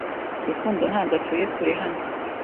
Rukundo ntabwo atuye kure hano.